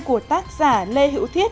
của tác giả lê hữu thiết